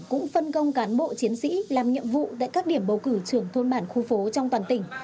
cũng phân công cán bộ chiến sĩ làm nhiệm vụ tại các điểm bầu cử trưởng thôn bản khu phố trong toàn tỉnh